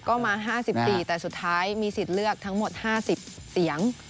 ก็มา๕๔แต่สุดท้ายมีสิทธิ์เลือกทั้งหมด๕๐เสียง